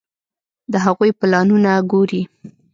د هغوی پلانونه ګوري.